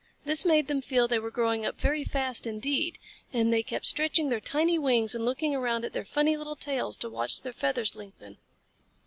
This made them feel that they were growing up very fast indeed, and they kept stretching their tiny wings and looking around at their funny little tails to watch their feathers lengthen.